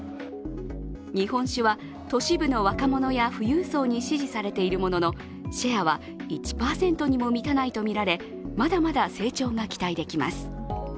日本酒は都市部の若者や富裕層に支持されているものの、シェアは１％にも満たないとみられまだまだ成長が期待できます。